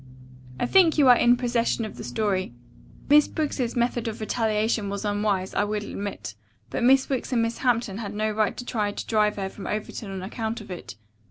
I think you are in possession of the story. Miss Briggs's method of retaliation was unwise, I will admit, but Miss Wicks and Miss Hampton had no right to try to drive her from Overton on account of it.